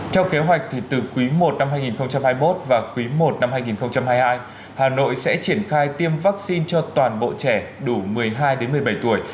theo kế hoạch từ quý i năm hai nghìn hai mươi một và quý i năm hai nghìn hai mươi hai hà nội sẽ triển khai tiêm vaccine cho toàn bộ trẻ đủ một mươi hai đến một mươi bảy tuổi